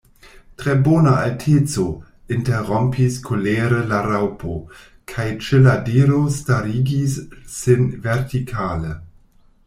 "Tre bona alteco," interrompis kolere la Raŭpo, kaj ĉe la diro starigis sin vertikale.